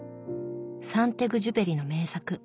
サン＝テグジュペリの名作